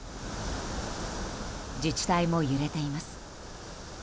自治体も揺れています。